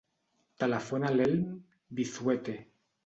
Telefona a l'Elm Vizuete.